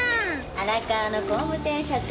荒川の工務店社長